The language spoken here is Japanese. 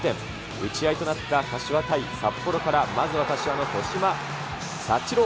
打ち合いとなった柏対札幌から、まずは柏の戸嶋祥郎。